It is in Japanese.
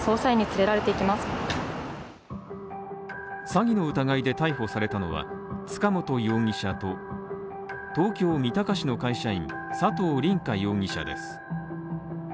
詐欺の疑いで逮捕されたのは塚本容疑者と東京・三鷹市の会社員佐藤凛果容疑者です。